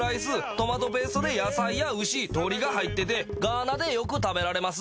トマトベースで野菜や牛鶏が入っててガーナでよく食べられます